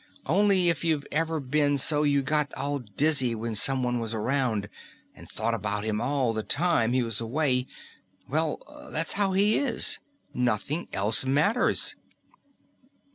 Only if you've ever been so you got all dizzy when someone was around, and thought about him all the time he was away well, that's how he is. Nothing else matters."